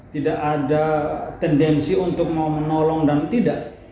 tidak ada tendensi untuk mau menolong dan tidak